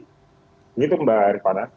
begitu mbak rikana